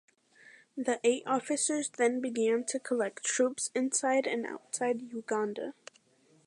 The eight officers then began to collect troops inside and outside Uganda.